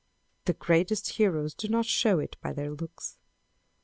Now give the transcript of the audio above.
The greatest heroes do not show it by their looks.